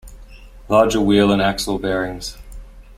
Larger wheel and axle bearings.